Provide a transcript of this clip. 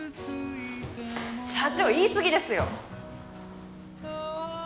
社長言いすぎですよ。